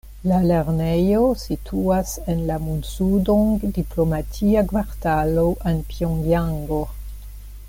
La lernejo situas en la Munsudong diplomatia kvartalo en Pjongjango.